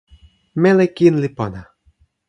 meli kin li pona.